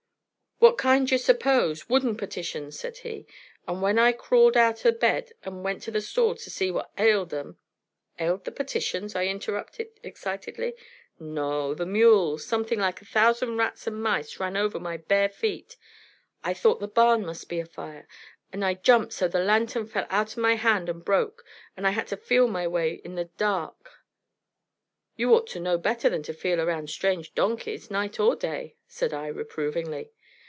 "What kind d'y, 'spose? Wooden petitions," said he. "And when I crawled out o' bed and went to the stalls to see what ailed 'em " "Ailed the petitions?" I interrupted, excitedly. "Naw, the mules, something like a thousand rats and mice ran over my bare feet. I thought the barn must be afire, and I jumped so the lantern fell outen my hand and broke, and I had to feel my way in the dark." "You ought to know better than to feel around strange donkeys, night or day," said I, reprovingly.